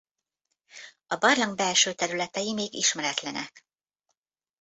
A barlang belső területei még ismeretlenek.